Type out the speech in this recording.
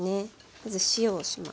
まず塩をします。